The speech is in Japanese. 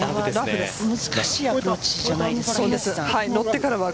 難しいアプローチじゃないですか。